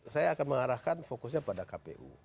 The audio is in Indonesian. saya akan mengarahkan fokusnya pada kpu